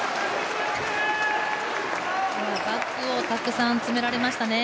バックをたくさん詰められましたね。